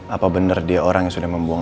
apa benar dia orang yang sudah membuang